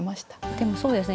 でもそうですね